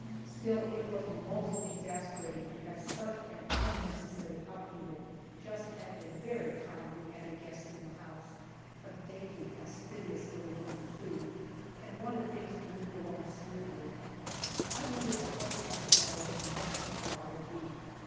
Still, it was most exasperating to have such an unnecessary upheaval, just at the very time we had a guest in the house a dainty, fastidious little woman, too and wanted things to move along smoothly. I wonder of what nationality the next trial will be!